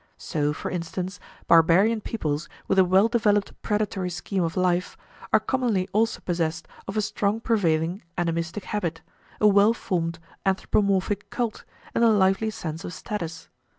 So, for instance, barbarian peoples with a well developed predatory scheme of life are commonly also possessed of a strong prevailing animistic habit, a well formed anthropomorphic cult, and a lively sense of status.